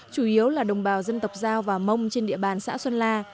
chủ yếu là đồng bào dân tộc giao và mông trên địa bàn xã xuân la